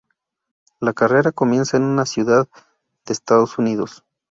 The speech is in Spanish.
La carrera comienza en una ciudad de Estados Unidos.